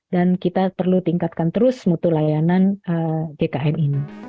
dan kita perlu tingkatkan terus mutu layanan jkn ini